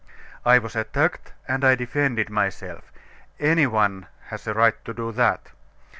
"I was attacked, and I defended myself. Any one has a right to do that.